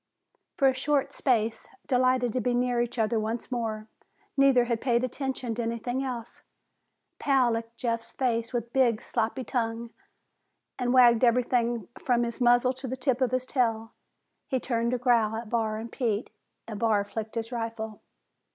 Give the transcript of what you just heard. For a short space, delighted to be near each other once more, neither had paid attention to anything else. Pal licked Jeff's face with a big, sloppy tongue and wagged everything from his muzzle to the tip of his tail. He turned to growl at Barr and Pete, and Barr flicked his rifle.